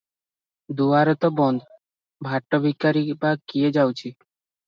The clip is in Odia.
ଦୁଆର ତ ବନ୍ଦ, ଭାଟଭିକାରୀ ବା କିଏ ଯାଉଛି?